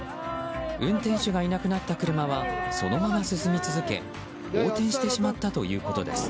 運転手がいなくなった車はそのまま進み続け横転してしまったということです。